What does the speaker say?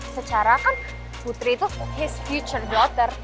secara kan putri tuh future daughter